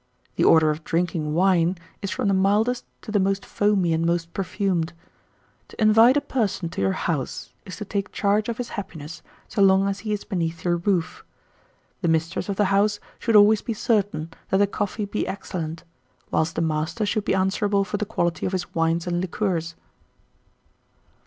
The order of drinking wine is from the mildest to the most foamy and most perfumed. To invite a person to your house is to take charge of his happiness so long as he is beneath your roof. The mistress of the house should always be certain that the coffee be excellent; whilst the master should be answerable for the quality of his wines and liqueurs."